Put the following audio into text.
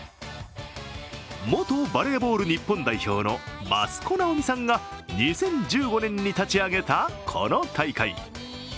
元バレーボール日本代表の益子直美さんが２０１５年に立ち上げたこの大会。